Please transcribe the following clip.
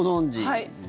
はい。